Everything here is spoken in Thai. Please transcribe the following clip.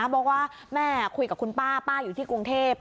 บอกว่าแม่คุยกับคุณป้าป้าอยู่ที่กรุงเทพ